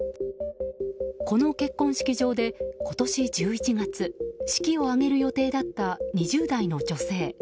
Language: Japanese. この結婚式場で、今年１１月式を挙げる予定だった２０代の女性。